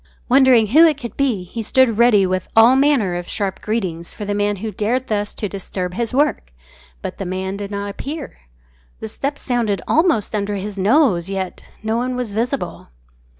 Wondering who it could be, he stood ready with all manner of sharp greetings for the man who dared thus to disturb his work. But the man did not appear. The steps sounded almost under his nose, yet no one was visible.